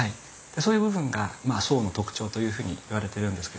でそういう部分が宋の特徴というふうにいわれているんですけども。